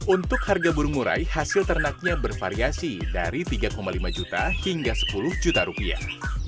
untuk harga burung murai hasil ternaknya bervariasi dari tiga lima juta hingga sepuluh juta rupiah